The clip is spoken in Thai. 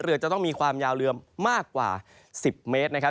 เรือจะต้องมีความยาวเรือมากกว่า๑๐เมตร